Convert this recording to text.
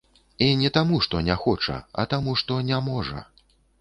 І не таму, што не хоча, а таму, што не можа.